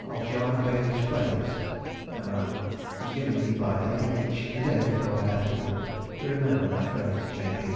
of Joanna Baillie's Plays. (Mem.—Was given me by Lady H. the day before I left England, to remember my friend, J.